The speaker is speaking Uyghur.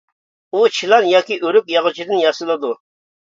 ئۇ چىلان ياكى ئۆرۈك ياغىچىدىن ياسىلىدۇ.